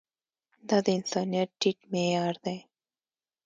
دا د انسانيت ټيټ معيار دی.